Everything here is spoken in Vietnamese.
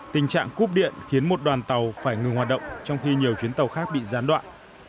tình trạng cúp điện khiến một đoàn tàu phải ngừng hoạt động trong khi nhiều chuyến tàu khác bị gián đoạn